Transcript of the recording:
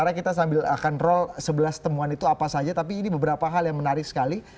karena kita sambil akan roll sebelas temuan itu apa saja tapi ini beberapa hal yang menarik sekali